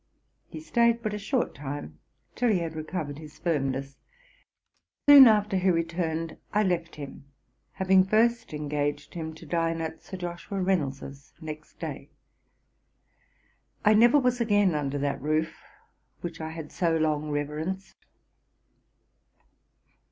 He staid but a short time, till he had recovered his firmness; soon after he returned I left him, having first engaged him to dine at Sir Joshua Reynolds's, next day. I never was again under that roof which I had so long reverenced.